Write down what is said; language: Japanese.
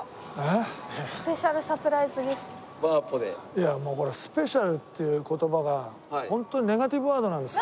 いやもうこれスペシャルっていう言葉がホントにネガティブワードなんです